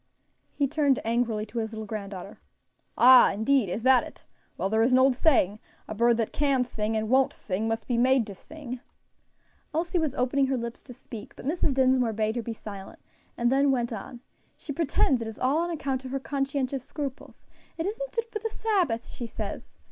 He turned angrily to his little granddaughter. "Ah! indeed, is that it? Well, there is an old saying. 'A bird that can sing, and won't sing, must be made to sing.'" Elsie was opening her lips to speak, but Mrs. Dinsmore bade her be silent, and then went on. "She pretends it is all on account of conscientious scruples. 'It isn't fit for the Sabbath,' she says.